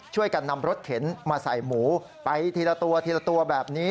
ช่วยกันนำรถเข็นมาใส่หมูไปทีละตัวทีละตัวแบบนี้